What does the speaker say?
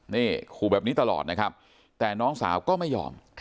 นี่ขู่แบบนี้ตลอดนะครับแต่น้องสาวก็ไม่ยอม